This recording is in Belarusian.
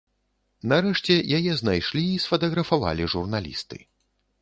Нарэшце, яе знайшлі і сфатаграфавалі журналісты.